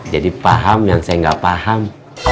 jadi paham yang saya gak paham